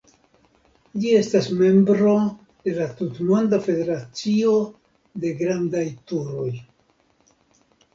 Ĝi estas membro de la Tutmonda Federacio de Grandaj Turoj.